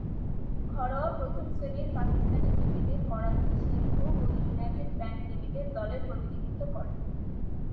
ঘরোয়া প্রথম-শ্রেণীর পাকিস্তানি ক্রিকেটে করাচি, সিন্ধু ও ইউনাইটেড ব্যাংক লিমিটেড দলের প্রতিনিধিত্ব করেন।